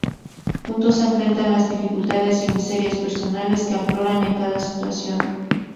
Juntos enfrentan las dificultades y miserias personales que afloran en cada situación.